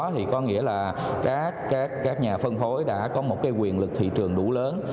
thì có nghĩa là các nhà phân phối đã có một cái quyền lực thị trường đủ lớn